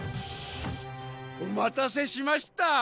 お待たせしました。